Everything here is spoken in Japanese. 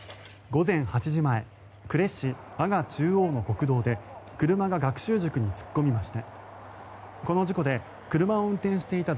午前８時前呉市阿賀中央の国道で車が学習塾に突っ込みました。